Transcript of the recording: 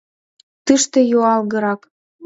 Тыште юалгырак.